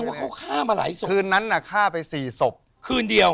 เค้าฆ่ามาไรคืนนั้นอ่ะโครงมือไปสี่ศพคืนเดียว